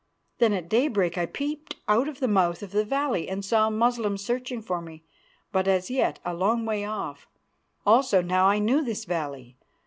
Then at daybreak I peeped out from the mouth of the valley and saw the Moslems searching for me, but as yet a long way off. Also now I knew this valley.